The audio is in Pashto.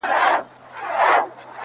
څوک چي ددې دور ملګري او ياران ساتي،